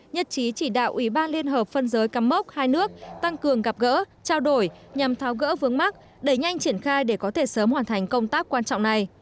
nhất trí chỉ đạo ủy ban liên hợp phân giới cắm mốc hai nước tăng cường gặp gỡ trao đổi nhằm tháo gỡ vướng mắt đẩy nhanh triển khai để có thể sớm hoàn thành công tác quan trọng này